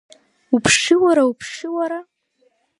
Уԥши, уара, уԥши, уара!